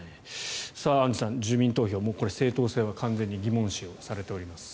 アンジュさん、住民投票正当性は完全に疑問視されています。